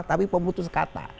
tapi pemutus kata